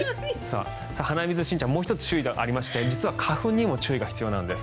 もう１つ注意がありまして実は花粉にも注意が必要なんです。